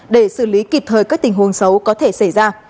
để xử lý kịp thời các tình huống xấu có thể xảy ra